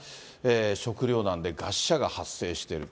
食糧難で餓死者が発生している。